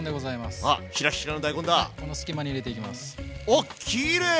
おっきれい！